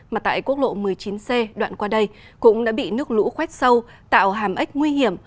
mà tại quốc lộ một mươi chín c đoạn qua đây cũng đã bị nước lũ khoét sâu tạo hàm ếch nguy hiểm